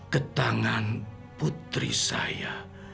ketangan putri saya